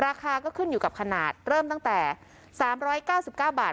ราคาก็ขึ้นอยู่กับขนาดเริ่มตั้งแต่สามร้อยเก้าสิบเก้าบาท